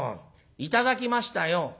頂きましたよ」。